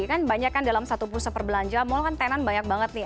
kan banyak kan dalam satu pusat perbelanjaan mal kan tenan banyak banget nih